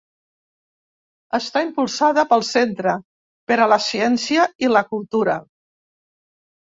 Està impulsada pel Centre per a la Ciència i la Cultura.